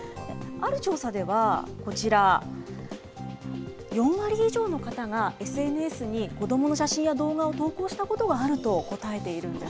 ある調査ではこちら、４割以上の方がＳＮＳに子どもの写真や動画を投稿したことがあると答えているんです。